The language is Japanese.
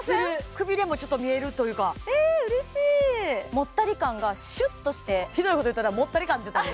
くびれも見えるというかえーっうれしいもったり感がシュッとしてひどいこと言ったなもったり感って言ったぞ